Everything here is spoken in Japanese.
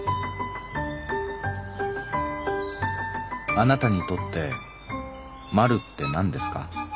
「あなたにとってまるってなんですか。